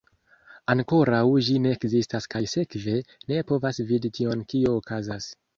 Ankoraŭ ĝi ne ekzistas kaj sekve, ne povas vidi tion kio okazas.